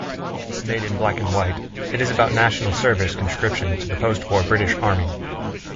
Made in black-and-white, it is about National Service conscription to the post-war British Army.